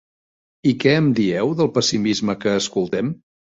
I què em dieu del pessimisme que escoltem?